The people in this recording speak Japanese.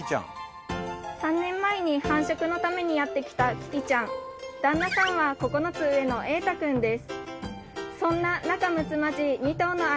３年前に繁殖のためにやってきたキキちゃん旦那さんは９つ上のえいたくんです